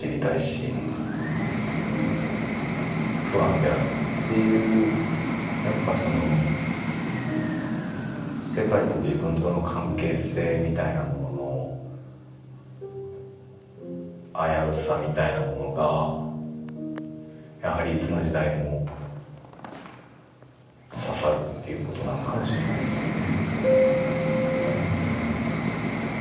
不安であるっていうやっぱその世界と自分との関係性みたいなものの危うさみたいなものがやはりいつの時代も刺さるということなのかもしれないですよね。